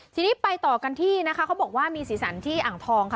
ทีนี้ไปต่อกันที่นะคะเขาบอกว่ามีสีสันที่อ่างทองค่ะ